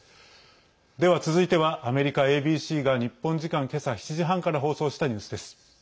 では続いてはアメリカＡＢＣが日本時間、今朝７時半から放送したニュースです。